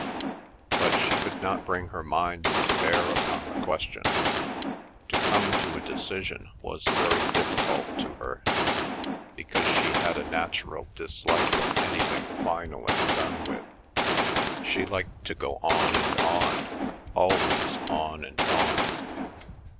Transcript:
But she could not bring her mind to bear upon the question. To come to a decision was very difficult to her, because she had a natural dislike of anything final and done with; she liked to go on and on—always on and on.